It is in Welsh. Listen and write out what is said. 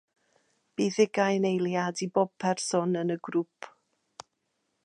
Bydd ugain eiliad i bob person yn y grŵp